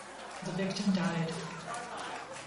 The victim died.